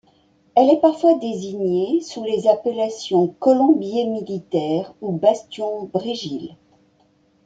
Elle est parfois désignée sous les appellations colombier militaire ou bastion Bregille.